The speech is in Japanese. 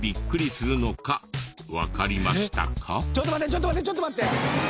ちょっと待ってちょっと待って。